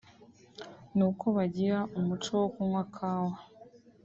ni uko bagira umuco wo kunywa Kawa